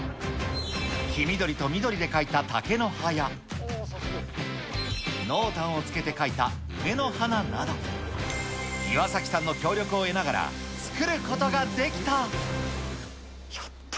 黄緑と緑で描いた竹の葉や、濃淡をつけて描いた梅の花など、岩崎さんの協力を得ながら、やっときた。